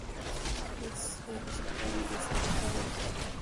د سیج پاڼې د څه لپاره وکاروم؟